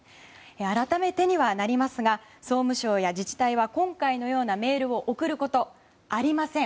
改めてにはなりますが総務省や自治体は今回のようなメールを送ることはありません。